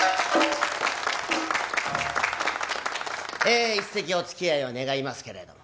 え一席おつきあいを願いますけれども。